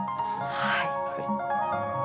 はい。